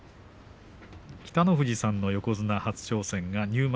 北の富士さんの横綱初挑戦が入幕